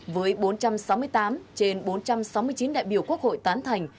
với bốn trăm sáu mươi tám trên bốn trăm sáu mươi chín đại biểu quốc hội tán thành